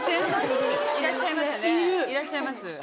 いらっしゃいます。